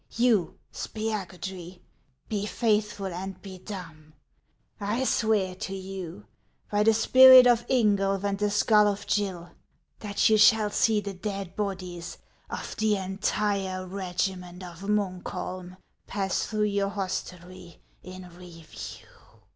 You, Spiagudry, be faithful and be dumb. I swear to you, by the spirit of Ingulf and the skull of Gill, that you shall see the dead bodies of the entire regiment of Muukholm pass through vour hostelrv in review."